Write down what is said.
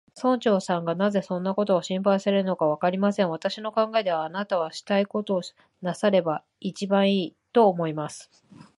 村長さんがなぜそんなことを心配されるのか、わかりません。私の考えでは、あなたはしたいことをなさればいちばんいい、と思います。